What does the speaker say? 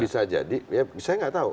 bisa jadi saya gak tahu